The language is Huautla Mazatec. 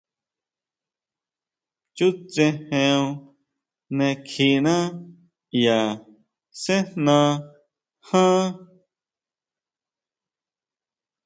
Chútsejeon ne kjiná ʼya sejná ján.